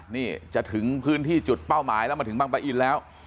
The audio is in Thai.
นี่จะถึงพื้นที่จุดเป้าหมายแล้วมาถึงบางปะอินแล้ว